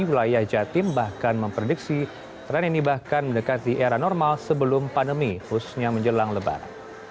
wilayah jatim bahkan memprediksi tren ini bahkan mendekati era normal sebelum pandemi khususnya menjelang lebaran